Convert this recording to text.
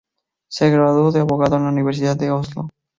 Se graduó de abogado en la Universidad de Oslo.